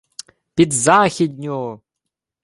— Під західню!